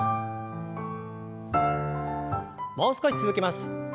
もう少し続けます。